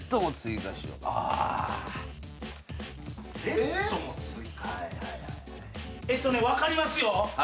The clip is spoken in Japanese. えっとね分かりますよ。